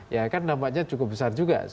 ya kan nampaknya cukup besar juga